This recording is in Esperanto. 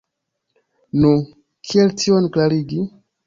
Nu, kiel tion klarigi?